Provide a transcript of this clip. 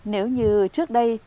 nếu như trước đây